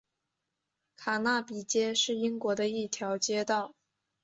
卡纳比街是英国的一条街道。